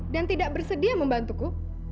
dan tidak bersedia membantuku